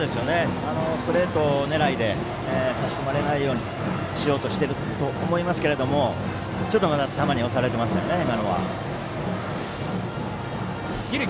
ストレート狙いで差し込まれないようにしてると思いますがちょっと、まだ球に押されていますよね、今のは。